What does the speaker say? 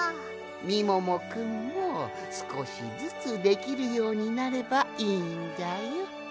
みももくんもすこしずつできるようになればいいんじゃよ。